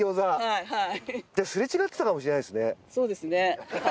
はいはい。